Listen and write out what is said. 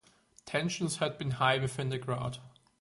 Tensions had been high within the crowd.